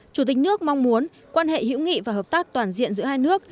chủ tịch nước mong muốn quan hệ hữu nghị và hợp tác toàn diện giữa hai nước